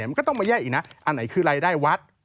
มันก็ต้องมาแยกอีกนะอันไหนคือรายได้วัด